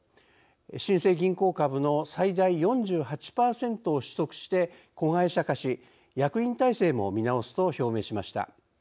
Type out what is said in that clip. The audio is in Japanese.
新生銀行株の最大４８％を取得して子会社化し役員体制も見直すと表明しました。